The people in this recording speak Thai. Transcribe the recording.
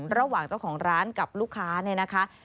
ระหว่างเจ้าของร้านกับลูกค้า